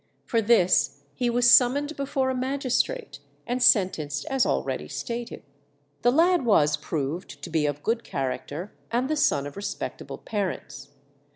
For this he was summoned before a magistrate, and sentenced as already stated. The lad was proved to be of good character and the son of respectable parents.